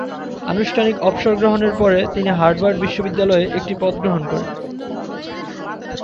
আনুষ্ঠানিক অবসর গ্রহণের পরে তিনি হার্ভার্ড বিশ্ববিদ্যালয়ে একটি পদ গ্রহণ করেন।